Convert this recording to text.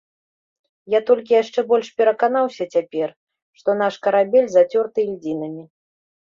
Я толькі яшчэ больш пераканаўся цяпер, што наш карабель зацёрты ільдзінамі.